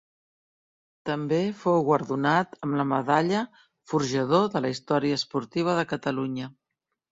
També fou guardonat amb la medalla Forjador de la Història Esportiva de Catalunya.